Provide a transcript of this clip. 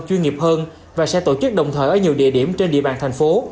chuyên nghiệp hơn và sẽ tổ chức đồng thời ở nhiều địa điểm trên địa bàn thành phố